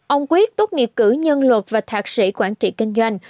ông quyết tốt nghiệp cử nhân luật và thạc sĩ quản trị kinh doanh